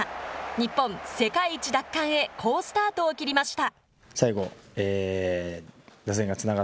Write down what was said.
日本、世界一奪還へ、好スタートを切りました。